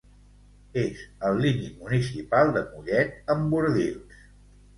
És al límit municipal de Mollet amb Bordils.